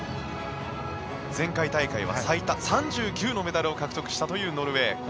前回大会は最多３９のメダルを獲得したというノルウェー。